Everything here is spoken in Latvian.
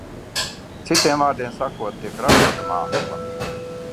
Citiem vārdiem sakot, tiek ražota māksla.